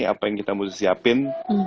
apa yang kita mau siapin